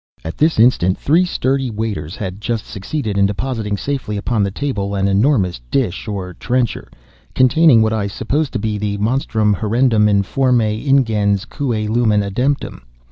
At this instant three sturdy waiters had just succeeded in depositing safely upon the table an enormous dish, or trencher, containing what I supposed to be the "monstrum, horrendum, informe, ingens, cui lumen ademptum."